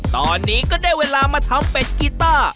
ตอนนี้ก็ได้เวลามาทำเป็ดกีต้า